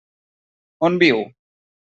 On viu?